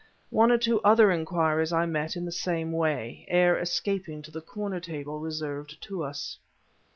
One or two other inquiries I met in the same way, ere escaping to the corner table reserved to us.